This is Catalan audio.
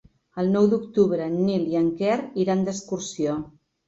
El nou d'octubre en Nil i en Quer iran d'excursió.